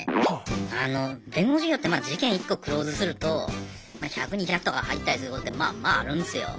あの弁護士業ってまあ事件１個クローズすると１００２００とか入ったりすることってまあまああるんすよ。